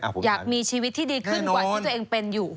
อยากมีชีวิตที่ดีขึ้นกว่าที่ตัวเองเป็นอยู่